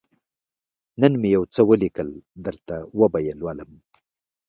_نن مې يو څه ولېکل، درته وبه يې لولم.